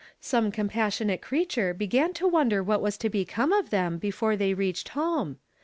Some compassionate creature began to wonder what was to become of them, before they reached home.